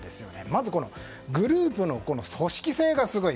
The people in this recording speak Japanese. まず、グループの組織性がすごい。